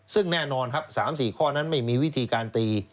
ซึ่งแน่นอนครับ๓๔ข้อนั้นไม่มีวิธีการตี